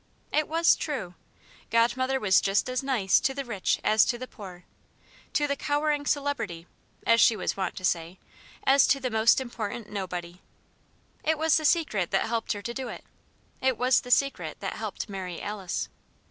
It was true. Godmother was just as "nice" to the rich as to the poor, to the "cowering celebrity" (as she was wont to say) as to the most important nobody. It was the Secret that helped her to do it. It was the Secret that helped Mary Alice.